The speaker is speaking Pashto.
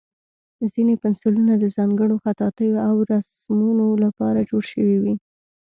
ځینې پنسلونه د ځانګړو خطاطیو او رسمونو لپاره جوړ شوي وي.